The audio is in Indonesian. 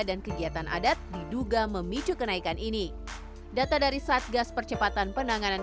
dan kegiatan adat diduga memicu kenaikan ini data dari satgas percepatan penanganan